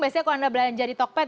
biasanya kalau anda belanja di tokped